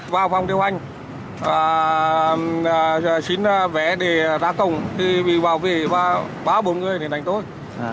vào phòng tiêu anh xin vé để ra cổng thì bị bảo vệ ba bốn người để đánh tôi